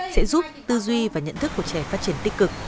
sẽ giúp tư duy và nhận thức của trẻ phát triển tích cực